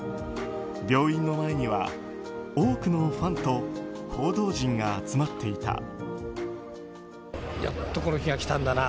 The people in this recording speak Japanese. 病院の前には多くのファンと報道陣が集まっていた。